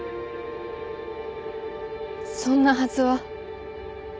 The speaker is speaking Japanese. そんなはずは。